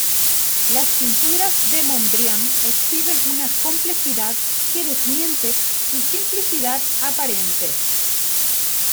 Las pinturas de Mondrian exhiben una complejidad que desmiente su simplicidad aparente.